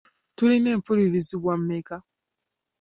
Tulina mpulirizwa mmeka?